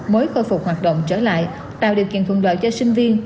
mới khôi phục hoạt động trở lại tạo điều kiện thuận lợi cho sinh viên